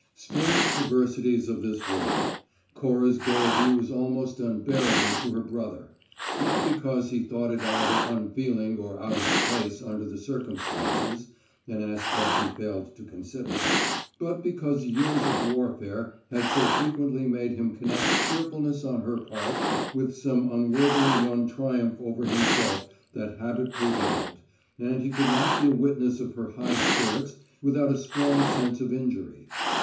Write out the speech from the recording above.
Strange perversities of this world: Cora's gayety was almost unbearable to her brother. Not because he thought it either unfeeling or out of place under the circumstances (an aspect he failed to consider), but because years of warfare had so frequently made him connect cheerfulness on her part with some unworthily won triumph over himself that habit prevailed, and he could not be a witness of her high spirits without a strong sense of injury.